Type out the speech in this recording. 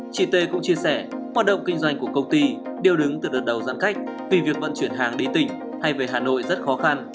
chị tê cũng chia sẻ hoạt động kinh doanh của công ty đều đứng từ đợt đầu giãn cách vì việc vận chuyển hàng đi tỉnh hay về hà nội rất khó khăn